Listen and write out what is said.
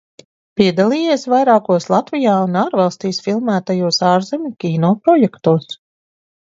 Piedalījies vairākos Latvijā un ārvalstīs filmētajos ārzemju kino projektos.